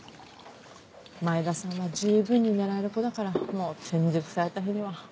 前田さんは十分に狙える子だからもう転塾された日には。